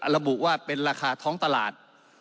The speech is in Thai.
ระบุว่าเป็นราคาท้องตลาด